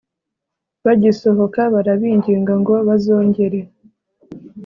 Bagisohoka barabinginga ngo bazongere